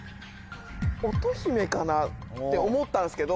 かなって思ったんですけど